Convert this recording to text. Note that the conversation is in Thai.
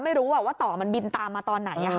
ไม่รู้ว่าต่อมันบินตามมาตอนไหน